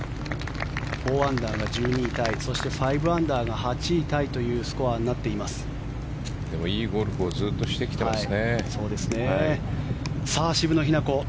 ４アンダーが１２位タイそして５アンダーが８位タイというスコアにさて、画面に渋野のボールが映ってきました。